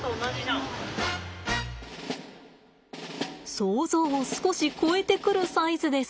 想像を少し超えてくるサイズです。